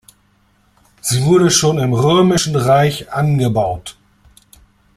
Sie wurde schon im römischen Reich angebaut.